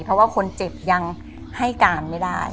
เพราะว่าคนเจ็บยังให้การไม่ได้